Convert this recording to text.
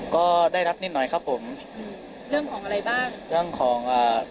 ก็ได้รับนิดหน่อยครับผมอืมเรื่องของอะไรบ้างเรื่องของอ่า